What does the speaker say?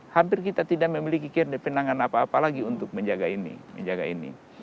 hampir kita tidak memiliki kebenangan apa apa lagi untuk menjaga ini